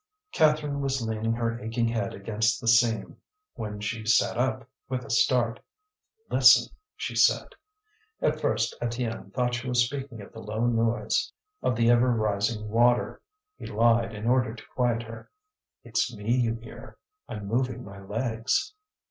Catherine was leaning her aching head against the seam, when she sat up with a start. "Listen!" she said. At first Étienne thought she was speaking of the low noise of the ever rising water. He lied in order to quiet her. "It's me you hear; I'm moving my legs."